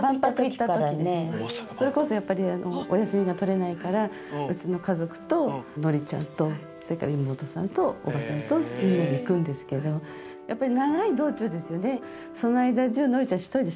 それこそお休みが取れないからうちの家族とノリちゃんと妹さんとおばさんとみんなで行くんですけどやっぱり長い道中ですよね。